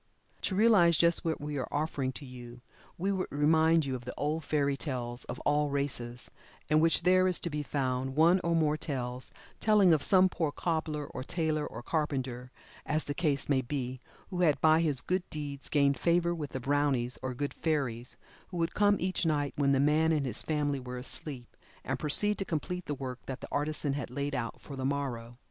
To realize just what we are offering to you, we would remind you of the old fairy tales of all races, in which there is to be found one or more tales telling of some poor cobbler, or tailor, or carpenter, as the case may be, who had by his good deeds, gained favor with the "brownies" or good fairies, who would come each night when the man and his family were asleep, and proceed to complete the work that the artisan had laid out for the morrow.